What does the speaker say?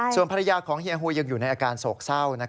ส่วนภรรยาของเฮียฮูยยังอยู่ในอาการโศกเศร้า